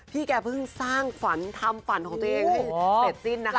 แกเพิ่งสร้างฝันทำฝันของตัวเองให้เสร็จสิ้นนะคะ